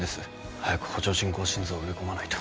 早く補助人工心臓を植え込まないと。